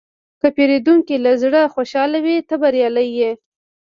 که پیرودونکی له زړه خوشحاله وي، ته بریالی یې.